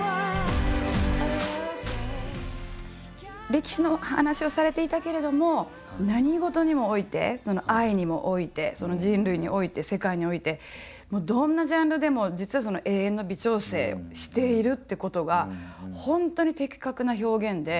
歴史の話をされていたけれども何事にもおいて愛にもおいて人類において世界においてどんなジャンルでも実はその永遠の微調整をしているってことが本当に的確な表現で。